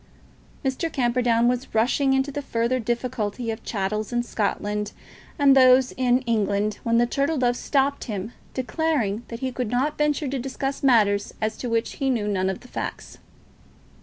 Mr. Camperdown was rushing into the further difficulty of the chattels in Scotland and those in England, when the Turtle Dove stopped him, declaring that he could not venture to discuss matters as to which he knew none of the facts.